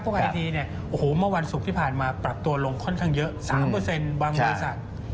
บางทีเนี่ยโอ้โหเมื่อวันศุกร์ที่ผ่านมาปรับตัวลงค่อนข้างเยอะ๓บางบริษัท